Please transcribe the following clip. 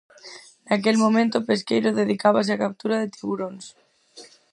Naquel momento, o pesqueiro dedicábase á captura de tiburóns.